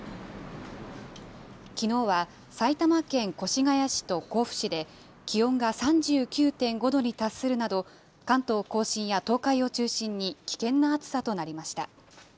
きのうは埼玉県越谷市と甲府市で気温が３９．５度に達するなど、関東甲信や東海を中心に危険な暑さとなりました。